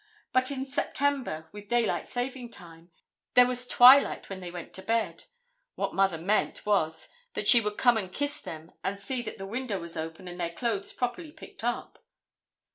But in September, with daylight saving time, there was twilight when they went to bed. What Mother meant was that she would come and kiss them and see that the window was open and their clothes properly picked up.